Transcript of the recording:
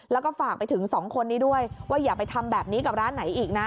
แล้วก็ฝากไปถึงสองคนนี้ด้วยว่าอย่าไปทำแบบนี้กับร้านไหนอีกนะ